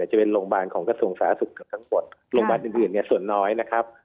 จะเป็นโรงบาลของกระทรวงสาสุขทั้งหมดโรงบาลอื่นส่วนน้อยนะครับ